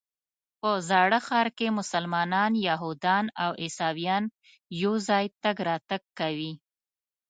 په زاړه ښار کې مسلمانان، یهودان او عیسویان یو ځای تګ راتګ کوي.